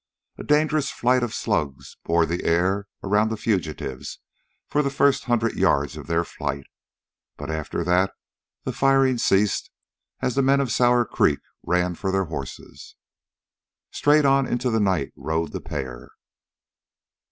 A dangerous flight of slugs bored the air around the fugitives for the first hundred yards of their flight, but after that the firing ceased, as the men of Sour Creek ran for their horses. Straight on into the night rode the pair.